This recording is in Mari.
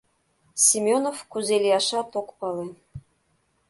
— Семёнов, кузе лияшат, ок пале.